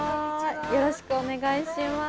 よろしくお願いします。